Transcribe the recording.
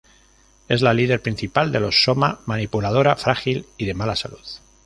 Es la líder principal de los Sōma, manipuladora, frágil y de mala salud.